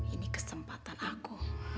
ini kesempatan aku